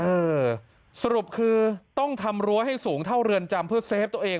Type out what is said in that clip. เออสรุปคือต้องทำรั้วให้สูงเท่าเรือนจำเพื่อเซฟตัวเอง